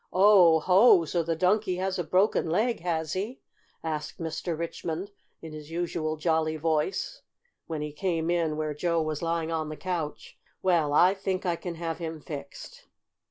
"Oh, ho! So the Donkey has a broken leg, has he?" asked Mr. Richmond in his usual jolly voice, when he came in where Joe was lying on the couch. "Well, I think I can have him fixed."